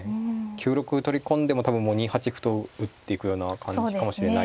９六歩取り込んでも多分もう２八歩と打っていくような感じかもしれないですね。